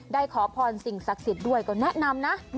ขอพรสิ่งศักดิ์สิทธิ์ด้วยก็แนะนำนะ